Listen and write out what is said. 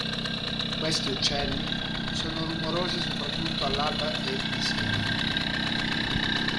Questi uccelli sono rumorosi soprattutto all'alba e di sera.